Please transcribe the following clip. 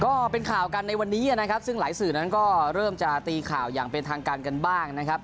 ก็เป็นข่าวกันในวันนี้นะครับซึ่งหลายสื่อนั้นก็เริ่มจะตีข่าวอย่างเป็นทางการกันบ้างนะครับ